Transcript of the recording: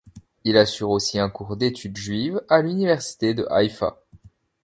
Il assure aussi un cours d'études juives à l'Université de Haïfa.